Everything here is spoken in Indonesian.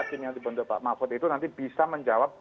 tim yang dibentuk pak mahfud itu nanti bisa menjawab